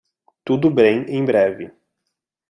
Tudo bem em breve.